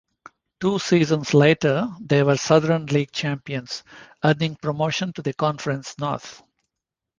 Two seasons later they were Southern League champions, earning promotion to the Conference North.